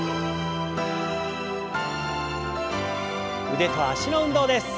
腕と脚の運動です。